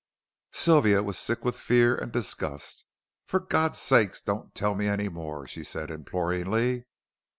Sylvia was sick with fear and disgust. "For God's sake, don't tell me any more," she said imploringly.